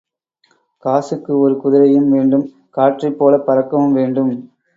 காசுக்கு ஒரு குதிரையும் வேண்டும், காற்றைப் போலப் பறக்கவும் வேண்டும்.